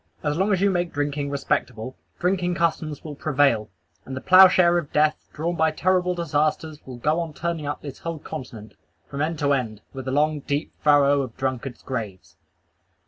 As long as you make drinking respectable, drinking customs will prevail; and the ploughshare of death, drawn by terrible disasters, will go on turning up this whole continent, from end to end, with the long, deep, awful furrow of drunkards' graves.